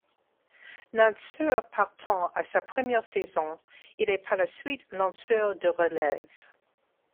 Lanceur partant à sa première saison il est par la suite lanceur de relève.